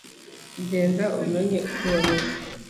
genda umenye uko bameze